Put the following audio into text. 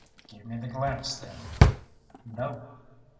"Give me the glass, then." "No."